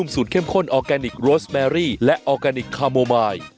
สักครู่เดี๋ยวครับ